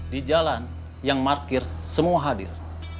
di jalan yang parkir semua hadir